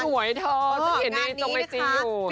สวยเธอจะเห็นดีจะไปจริงอยู่